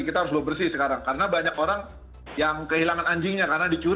kita harus lebih bersih sekarang karena banyak orang yang kehilangan anjingnya karena dicuri